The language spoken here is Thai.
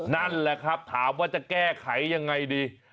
นั่นแหละครับถามว่าจะแก้ไขยังไงดี